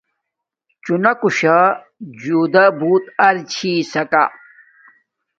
چُنݳکُشݳ جُدݳ بݸت اِرݳ چھݵسَکݳ.